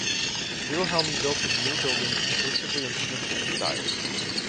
Wilhelmy built his new buildings exclusively in Schnitger's style.